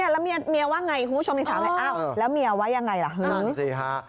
แล้วเมียว่าไงคุณผู้ชมถามแล้วเมียไว้ยังไงล่ะ